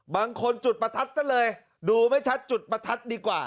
บางคนจุดประทัดซะเลยดูไม่ชัดจุดประทัดดีกว่า